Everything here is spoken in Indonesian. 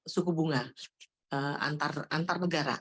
suku bunga antar negara